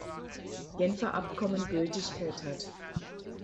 Genfer Abkommen Gültigkeit hat.